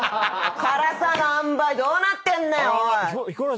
辛さのあんばいどうなってんねん⁉それ。